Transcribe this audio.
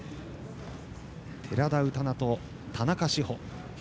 寺田宇多菜と田中志歩。